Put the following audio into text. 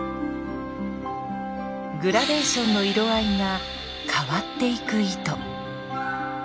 グラデーションの色合いが変わっていく糸。